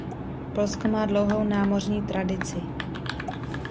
Polsko má dlouhou námořní tradici.